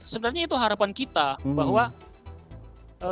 sebenarnya itu harapan kita bahwa